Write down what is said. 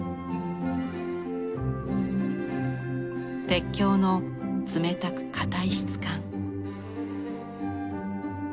鉄橋の冷たく硬い質感。